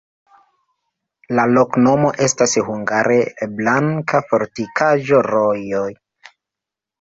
La loknomo estas hungare: blanka-fortikaĵo-rojo.